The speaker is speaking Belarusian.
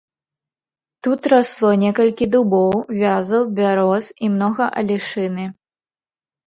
Тут расло некалькі дубоў, вязаў, бяроз і многа алешыны.